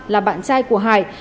là bạn trai của hải